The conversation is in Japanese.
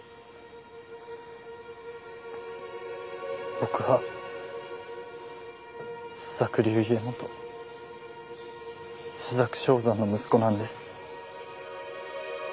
僕は朱雀流家元朱雀正山の息子なんです。